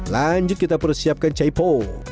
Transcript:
lanjut kita persiapkan caipo